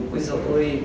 ui dồi ôi